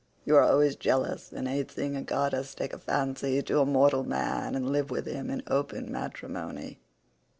You are always jealous and hate seeing a goddess take a fancy to a mortal man, and live with him in open matrimony.